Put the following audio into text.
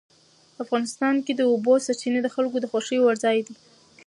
افغانستان کې د اوبو سرچینې د خلکو د خوښې وړ ځای دی.